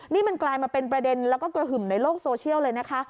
นี่มันกลายมาเป็นประเด็นแล้วก็กระหึ่มในโลกโซเชียลเลยนะคะ